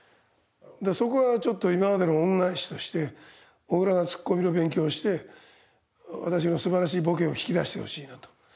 そこはちょっと今までの恩返しとして小倉がツッコミの勉強をして私の素晴らしいボケを引き出してほしいなと。